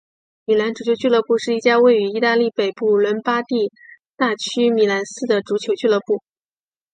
米兰足球俱乐部是一家位于义大利北部伦巴第大区米兰市的足球俱乐部。